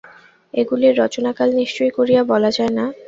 এগুলির রচনাকাল নিশ্চয় করিয়া বলা যায় না।